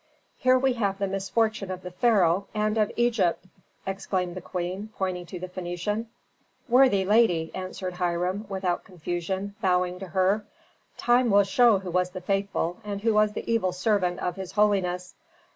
"Here we have the misfortune of the pharaoh, and of Egypt!" exclaimed the queen, pointing to the Phœnician. "Worthy lady," answered Hiram, without confusion, bowing to her, "time will show who was the faithful and who the evil servant of his holiness."